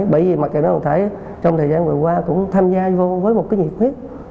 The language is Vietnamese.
bởi vì mặc dù có đoàn thể trong thời gian vừa qua cũng tham gia vô với một cái nhiệt huyết